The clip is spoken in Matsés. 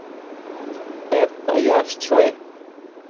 tedta yash chue?